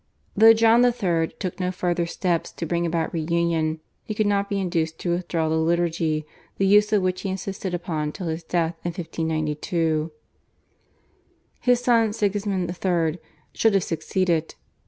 Though John III. took no further steps to bring about reunion he could not be induced to withdraw the liturgy, the use of which he insisted upon till his death in 1592. His son Sigismund III. should have succeeded.